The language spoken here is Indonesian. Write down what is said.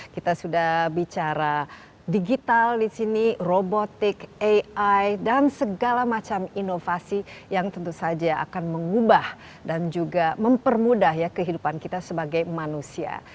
kita sudah bicara digital di sini robotik ai dan segala macam inovasi yang tentu saja akan mengubah dan juga mempermudah kehidupan kita sebagai manusia